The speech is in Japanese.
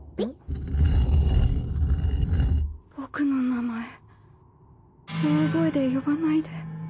僕の名前大声で呼ばないで。